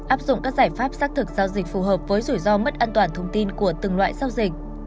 áp dụng các giải pháp xác thực giao dịch phù hợp với rủi ro mất an toàn thông tin của từng loại giao dịch